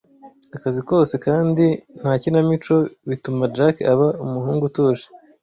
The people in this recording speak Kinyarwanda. Akazi kose kandi ntakinamico bituma Jack aba umuhungu utuje.